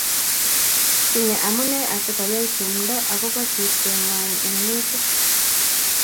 tinye amune asikoyai tumdo akobo sirseng'wany eng' mechit